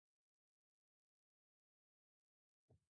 手が悴んでいる